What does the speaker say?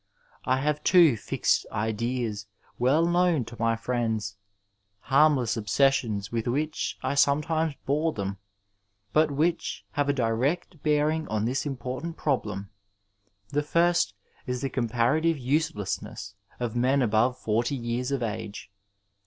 I have two fixed ideas well known to my friends, harmless obsessions with which I sometimes bore them, but which have a direct bear ing on this important problem. The first is the compara tive uselessness of men above forty years of age.